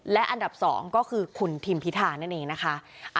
และอันดับ๒ก็คือคุณทิมพิธานั่นเองนะคะ